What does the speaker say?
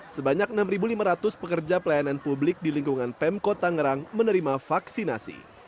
sebanyak enam lima ratus pekerja pelayanan publik di lingkungan pemkot tangerang menerima vaksinasi